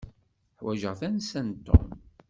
Ḥwaǧeɣ tansa n Tom.